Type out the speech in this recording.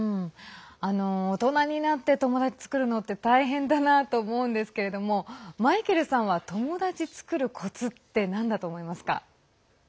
大人になって友達作るのって大変だなと思うんですけどマイケルさんは友達作るコツってなんだと思いますか？